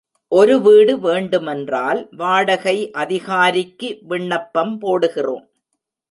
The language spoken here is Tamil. ஒரு வீடு வேண்டுமென்றால் வாடகை அதிகாரிக்கு விண்ணப்பம் போடுகிறோம்.